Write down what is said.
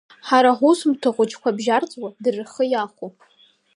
Ҳара ҳусумҭа хәыҷқәа бжьарӡуа, дара рхы иахәо…